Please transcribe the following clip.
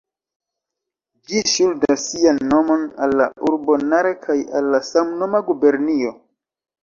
Ĝi ŝuldas sian nomon al la urbo Nara kaj al la samnoma gubernio.